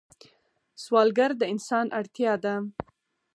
سوالګر د انسان اړتیا ده